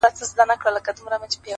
هر منزل د جرئت غوښتنه کوي.!